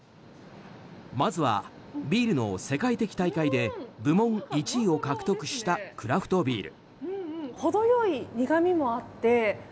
まずは、ビールの世界的大会で部門１位を獲得したクラフトビール。